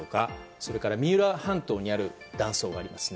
それから三浦半島にある断層がありますね。